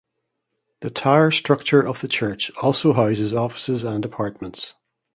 The tower structure of the church also houses offices and apartments.